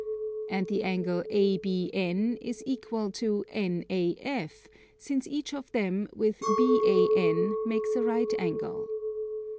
And the angle ABN is equal to NAF, since each of them with BAN makes a right angle.